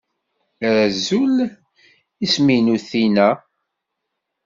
Azul, isem-inu Tina.